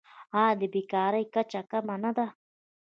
آیا د بیکارۍ کچه کمه نه ده؟